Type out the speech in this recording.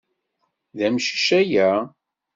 D amcic aya?